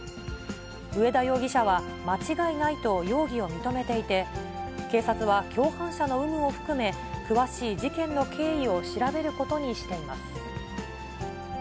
上田容疑者は、間違いないと容疑を認めていて、警察は共犯者の有無を含め、詳しい事件の経緯を調べることにしています。